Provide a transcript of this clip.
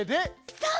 そう！